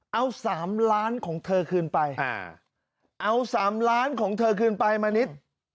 เอา๓ล้านของเธอคืนไปเอา๓ล้านของเธอคืนไปมานิด